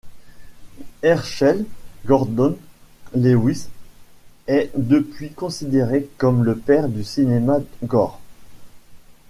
Herschell Gordon Lewis est depuis considéré comme le père du cinéma gore.